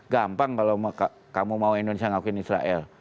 gampang kalau kamu mau indonesia ngakuin israel